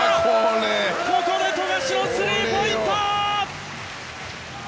ここで富樫のスリーポイント！